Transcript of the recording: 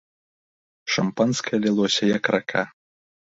Шампанскае лілося як рака.